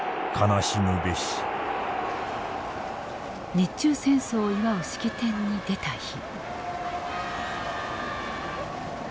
日中戦争を祝う式典に出た日。